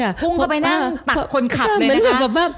พุ่งเข้าไปนั่งตักคนขับเลยค่ะ